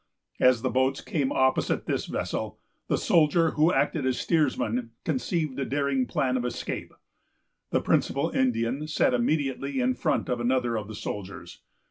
As the boat came opposite this vessel, the soldier who acted as steersman conceived a daring plan of escape. The principal Indian sat immediately in front of another of the soldiers.